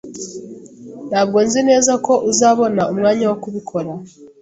Ntabwo nzi neza ko uzabona umwanya wo kubikora.